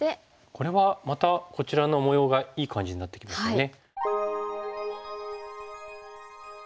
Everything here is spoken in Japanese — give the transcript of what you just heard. これはまたこちらの模様がいい感じになってきましたね。